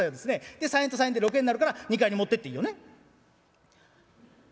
「で３円と３円で６円になるから２荷入り持ってっていいよね？」。